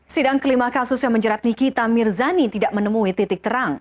sidang kelima kasus yang menjerat nikita mirzani tidak menemui titik terang